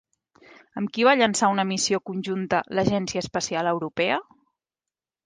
Amb qui va llançar una missió conjunta l'Agència Espacial Europea?